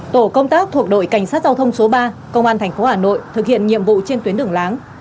tổ công tác thuộc đội cảnh sát giao thông số ba công an tp hà nội thực hiện nhiệm vụ trên tuyến đường láng